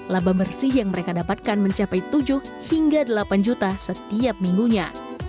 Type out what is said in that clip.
laba bersih yang mereka dapatkan mencapai tujuh hingga delapan juta setiap minggunya